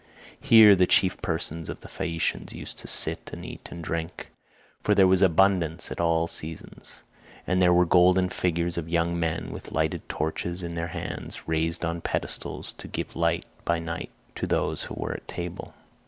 Here the chief persons of the Phaeacians used to sit and eat and drink, for there was abundance at all seasons; and there were golden figures of young men with lighted torches in their hands, raised on pedestals, to give light by night to those who were at table.